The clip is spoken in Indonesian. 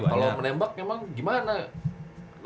kalau menembak emang gimana